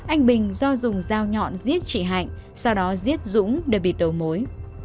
anh bình do dùng dao nhọn giết chị hạnh sau đó giết dũng để bịt đầu mối